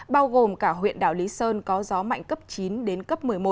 bao gồm cả huyện đảo lý sơn có gió mạnh cấp chín đến cấp một mươi một